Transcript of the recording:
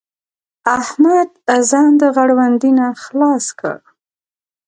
احمد ځان د غړوندي نه خلاص کړ.